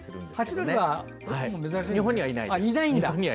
ハチドリは日本にはいないです。